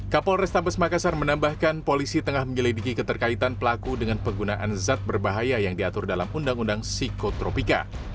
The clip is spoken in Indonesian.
kapol restabes makassar menambahkan polisi tengah menyelidiki keterkaitan pelaku dengan penggunaan zat berbahaya yang diatur dalam undang undang psikotropika